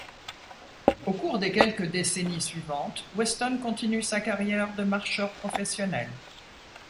Au cours des quelques décennies suivantes, Weston continue sa carrière de marcheur professionnel.